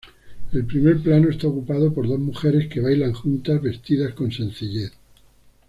El primer plano está ocupado por dos mujeres que bailan juntas, vestidas con sencillez.